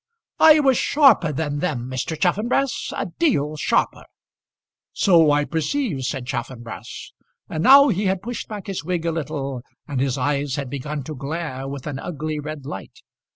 "I was sharper than them, Mr. Chaffanbrass, a deal sharper." "So I perceive," said Chaffanbrass, and now he had pushed back his wig a little, and his eyes had begun to glare with an ugly red light.